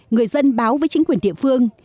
người dân báo với chính quyền địa phương